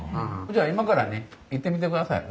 じゃあ今からね行ってみてください。